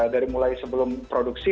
dari mulai sebelum produksi